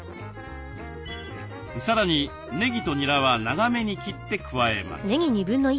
さらにねぎとにらは長めに切って加えます。